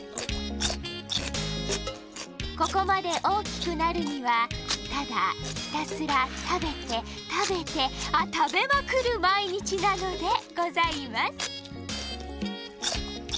ここまでおおきくなるにはただひたすらたべてたべてあたべまくるまいにちなのでございます。